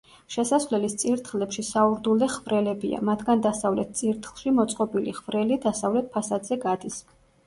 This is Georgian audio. შესასვლელის წირთხლებში საურდულე ხვრელებია, მათგან დასავლეთ წირთხლში მოწყობილი ხვრელი დასავლეთ ფასადზე გადის.